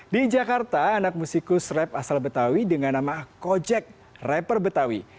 di jakarta anak musikus rap asal betawi dengan nama kojek rapper betawi